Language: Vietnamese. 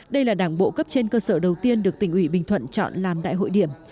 đây là đảng bộ cấp trên cơ sở đầu tiên được tỉnh ủy bình thuận chọn làm đại hội điểm